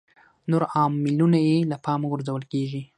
نور عاملونه یې له پامه غورځول کېږي.